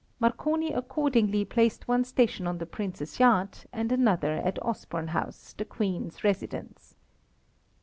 Marconi accordingly placed one station on the prince's yacht and another at Osborne House, the queen's residence.